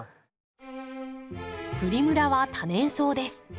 プリムラは多年草です。